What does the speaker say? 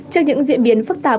trước những diễn biến phức tạp